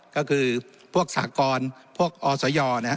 ก็คือพวกสากรพวกออสยอ